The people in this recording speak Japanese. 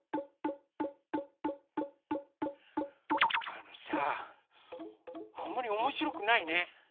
あのさああんまりおもしろくないね。